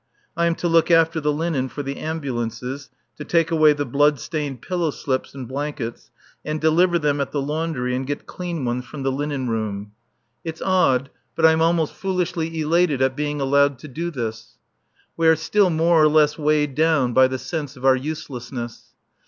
I am to look after the linen for the ambulances, to take away the blood stained pillow slips and blankets, and deliver them at the laundry and get clean ones from the linen room. It's odd, but I'm almost foolishly elated at being allowed to do this. We are still more or less weighed down by the sense of our uselessness.